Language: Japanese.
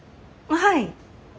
はい。